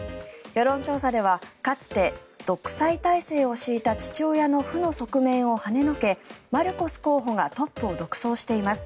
世論調査ではかつて独裁体制を敷いた父親の負の側面をはねのけマルコス候補がトップを独走しています。